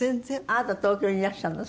あなた東京にいらしたの？